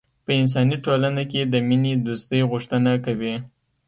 په انساني ټولنه کې د مینې دوستۍ غوښتنه کوي.